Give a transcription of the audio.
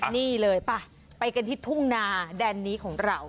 นี่เลยไปกันที่ทุ่งนาแดนนี้ของเรา